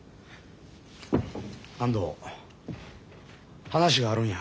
安藤話があるんや。